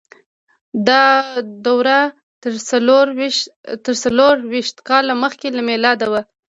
دا دوره تر څلور ویشت کاله مخکې له میلاده وه.